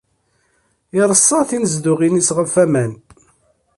Ireṣṣa tinezduɣin-is ɣef waman.